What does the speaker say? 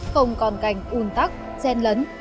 không còn cảnh un tắc chen lấn